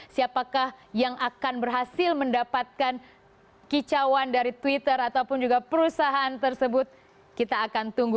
siapakah yang akan berhasil mendapatkan kicauan dari twitter ataupun juga perusahaan tersebut kita akan tunggu